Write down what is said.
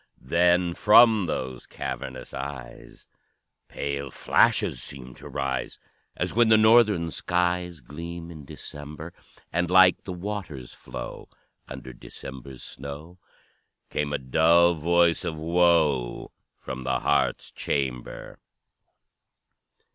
Then, from those cavernous eyes Pale flashes seemed to rise, As when the Northern skies Gleam in December; And, like the water's flow Under December's snow, Came a dull voice of woe From the heart's chamber.